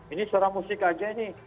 ini suara musik aja ini